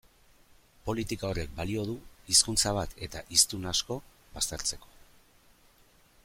Politika horrek balio du hizkuntza bat eta hiztun asko baztertzeko.